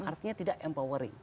artinya tidak empowering